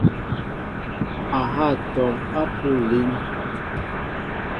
A ha atɔm apuʼ alín.